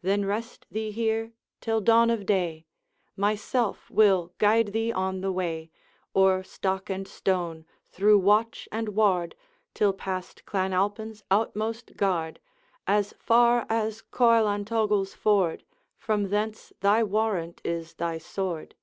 Then rest thee here till dawn of day; Myself will guide thee on the way, O'er stock and stone, through watch and ward, Till past Clan Alpine's outmost guard, As far as Coilantogle's ford; From thence thy warrant is thy sword.'